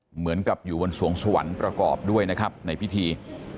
เหมือนกับอยู่บนสวงสวรรค์ประกอบด้วยนะครับในพิธี